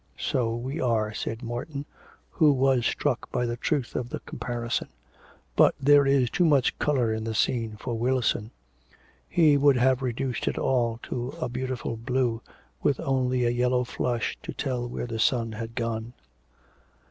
'So we are,' said Morton, who was struck by the truth of the comparison. 'But there is too much colour in the scene for Wilson he would have reduced it all to a beautiful blue, with only a yellow flush to tell where the sun had gone.'